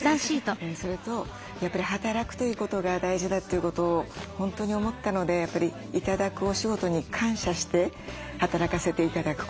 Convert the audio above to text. それとやっぱり働くということが大事だということを本当に思ったのでやっぱり頂くお仕事に感謝して働かせて頂くこと。